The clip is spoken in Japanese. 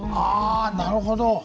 あなるほど！